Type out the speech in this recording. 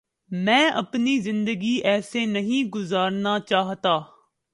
میں اپنی زندگی ایسے نہیں گزارنا چاہتا